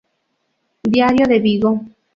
Diario de Vigo".